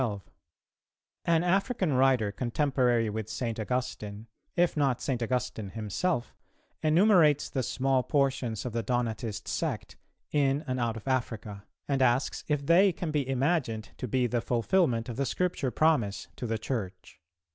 An African writer contemporary with St. Augustine, if not St. Augustine himself, enumerates the small portions of the Donatist Sect, in and out of Africa, and asks if they can be imagined to be the fulfilment of the Scripture promise to the Church.